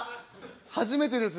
初めてです。